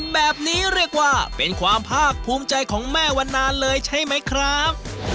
แบบนี้เรียกว่าเป็นความภาคภูมิใจของแม่วันนานเลยใช่ไหมครับ